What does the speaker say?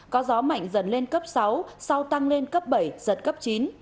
có gió mạnh dần lên cấp sáu sau tăng lên cấp bảy giật cấp chín